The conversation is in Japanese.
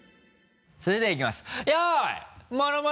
それではいきますよい！